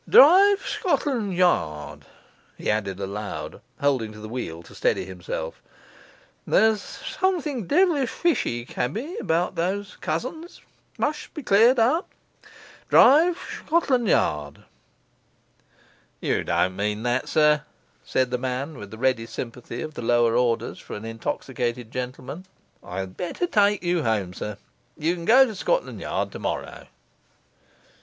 ... 'Drive Shcotlan' Yard,' he added aloud, holding to the wheel to steady himself; 'there's something devilish fishy, cabby, about those cousins. Mush' be cleared up! Drive Shcotlan' Yard.' 'You don't mean that, sir,' said the man, with the ready sympathy of the lower orders for an intoxicated gentleman. 'I had better take you home, sir; you can go to Scotland Yard tomorrow.